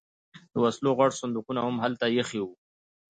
د وسلو غټ صندوقونه هم هلته ایښي وو